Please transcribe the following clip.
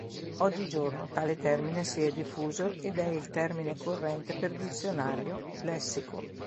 Oggigiorno tale termine si è diffuso ed è il termine corrente per "dizionario, lessico".